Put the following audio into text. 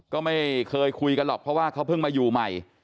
ก็ไม่เคยคุยกันหรอกเพราะว่าเขาเพิ่งมาอยู่ใหม่